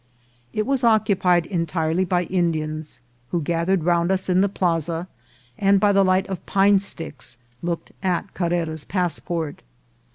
It was occupied entirely by Indians, who gathered round us in the plaza, and by the light of pine sticks look ed at Carrera's passport.